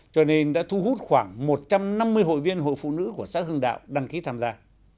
cho nên đã thu hút khoảng một trăm năm mươi hội viên hội phụ nữ của xã hưng đạo đăng ký tham gia